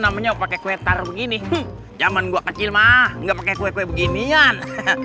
namanya pakai kue tar begini zaman gue kecil mah enggak pakai kue kue beginian